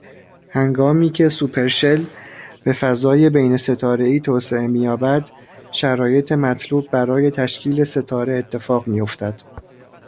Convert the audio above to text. هنگامی که سوپرشل به فضای بین ستاره ای توسعه می یابد، شرایط مطلوب برای تشکیل ستاره اتفاق می افتد.